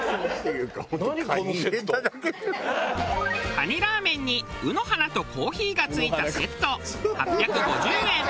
蟹ラーメンに卯の花とコーヒーが付いたセット８５０円。